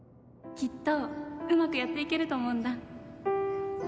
きっとうまくやっていけると思うんだ。